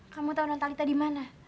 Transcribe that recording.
kamu tau nontalita dimana